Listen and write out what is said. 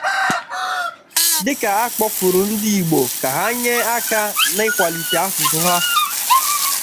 dịka a kpọkuru ndị Igbo ka ha nye aka n'ịkwàlite asụsụ ha.